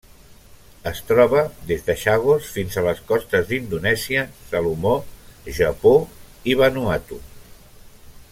Es troba des de Chagos fins a les costes d'Indonèsia, Salomó, Japó i Vanuatu.